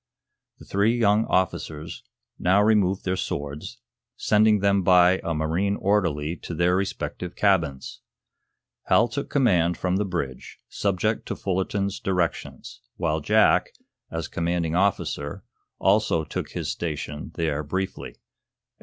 The three young officers now removed their swords, sending them by a marine orderly to their respective cabins. Hal took command from the bridge, subject to Fullerton's directions, while Jack, as commanding officer, also took his station there briefly.